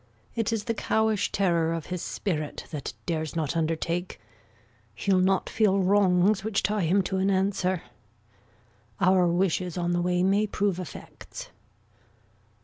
It is the cowish terror of his spirit, That dares not undertake. He'll not feel wrongs Which tie him to an answer. Our wishes on the way May prove effects.